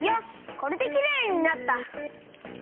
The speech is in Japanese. これできれいになった！